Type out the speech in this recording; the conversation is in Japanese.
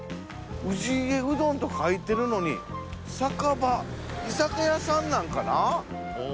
「氏家うどん」と書いてるのに「サカバ」居酒屋さんなんかな？